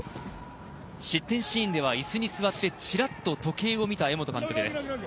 失点シーンでは、椅子に座ってチラっと時計を見た江本監督です。